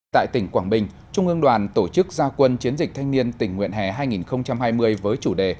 tại tỉnh quảng bình trung ương đoàn tổ chức gia quân chiến dịch thanh niên tình nguyện hè hai nghìn hai mươi với chủ đề